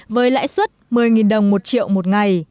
với lãi suất một mươi đồng một triệu một ngày